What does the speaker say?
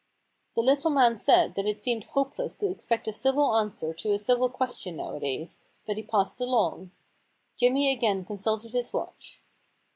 The little man said that it seemed hopeless to expect a civil answer to a civil question nowadays, but he passed along. Jimmy again consulted his watch.